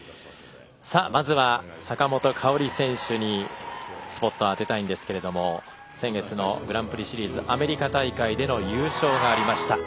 まずは坂本花織選手にスポットを当てたいんですけど先月のグランプリシリーズアメリカ大会での優勝がありました。